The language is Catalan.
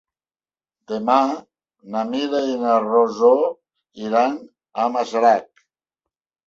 Demà na Mira i na Rosó iran a Masarac.